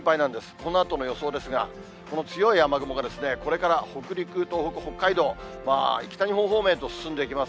このあとの予想ですが、この強い雨雲が、これから北陸、東北、北海道、北日本方面へと進んでいきます。